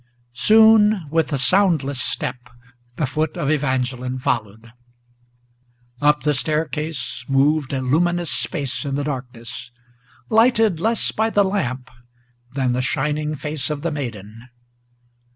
Soon with a soundless step the foot of Evangeline followed. Up the staircase moved a luminous space in the darkness, Lighted less by the lamp than the shining face of the maiden.